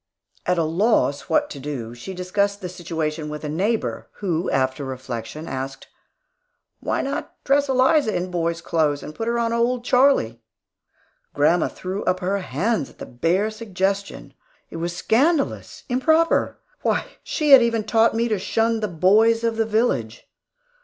At a loss what to do, she discussed the situation with a neighbor, who after reflection asked, "Why not dress Eliza in boy's clothes and put her on old Charlie?" Grandma threw up her hands at the bare suggestion. It was scandalous, improper! Why, she had even taught me to shun the boys of the village.